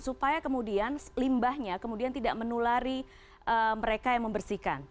supaya kemudian limbahnya kemudian tidak menulari mereka yang membersihkan